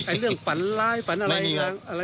แล้วเรื่องฝันร้ายฝันอะไรอะไรไม่มีนะ